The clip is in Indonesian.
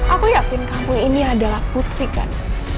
aku yakin kampung ini adalah putri kan